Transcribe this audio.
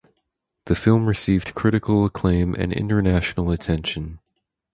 The film received critical acclaim and international attention.